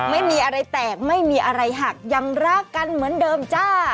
ไม่มีอะไรแตกไม่มีอะไรหักยังรักกันเหมือนเดิมจ้า